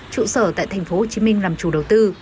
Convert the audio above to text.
trụ sở tại thành phố hồ chí minh làm chủ đầu tư